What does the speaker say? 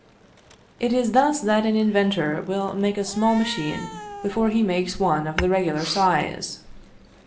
It is thus that an inventor will make a small machine before he makes one of the regular size.